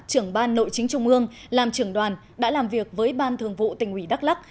trưởng ban nội chính trung ương làm trưởng đoàn đã làm việc với ban thường vụ tỉnh ủy đắk lắc